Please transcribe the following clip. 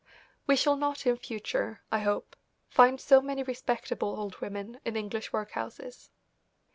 We shall not in future, I hope, find so many respectable old women in English workhouses.